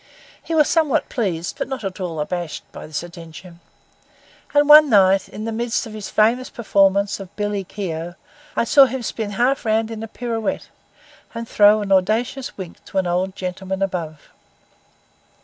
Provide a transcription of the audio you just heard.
He was somewhat pleased, but not at all abashed, by this attention; and one night, in the midst of his famous performance of 'Billy Keogh,' I saw him spin half round in a pirouette and throw an audacious wink to an old gentleman above.